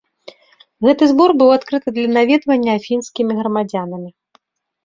Гэты збор быў адкрыта для наведвання афінскімі грамадзянамі.